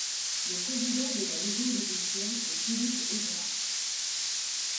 Le président de la maison d'édition est Philippe Aigrain.